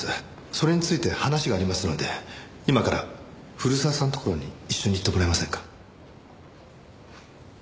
それについて話がありますので今から古澤さんのところに一緒に行ってもらえませんか？